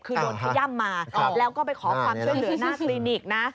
คือโดนขย่ำมาแล้วก็ไปขอความช่วยเหลือหน้าคลินิกนะ